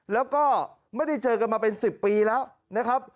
แล้วก็ไม่ได้เจอกันมาเป็น๑๐ปีแล้วนะครับ